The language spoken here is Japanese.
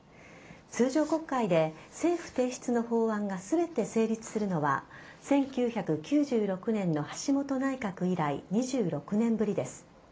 通常国会で政府提出の法案が全て成立するのは１９９６年の橋本内閣以来２６年ぶりです。